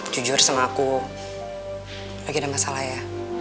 jujur sama aku lagi ada masalah ya